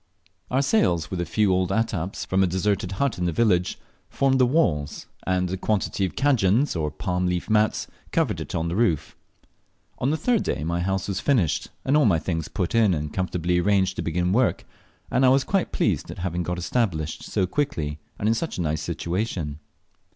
Our sails, with a few old attaps from a deserted but in the village, formed the walls, and a quantity of "cadjans," or palm leaf mats, covered in the roof. On the third day my house was finished, and all my things put in and comfortably arranged to begin work, and I was quite pleased at having got established so quickly and in such a nice situation.